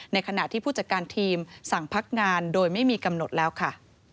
ขณะที่ผู้จัดการทีมสั่งพักงานโดยไม่มีกำหนดแล้วค่ะ